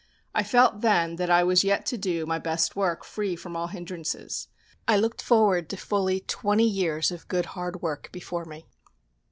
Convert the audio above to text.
I felt then that I was yet to do my best work free from all hindrances. I looked forward to fully twenty years of good hard work before me.